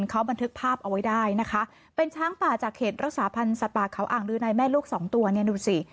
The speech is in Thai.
เขาบันทึกภาพเอาไว้ได้นะคะเป็นช้างป่าจากเขตรักษาพันธ์สัตว์ป่าเขาอ่างลือในแม่ลูกสองตัวเนี่ยดูสิ